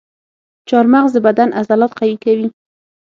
چارمغز د بدن عضلات قوي کوي.